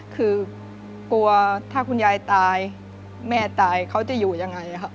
คือกลัวถ้าคุณยายตายแม่ตายเค้าจะอยู่อย่างไร